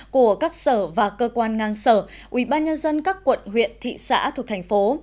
của các sở và cơ quan ngang sở ủy ban nhân dân các quận huyện thị xã thuộc thành phố